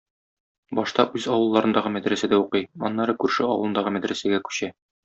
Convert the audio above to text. Башта үз авылларындагы мәдрәсәдә укый, аннары күрше авылындагы мәдрәсәгә күчә.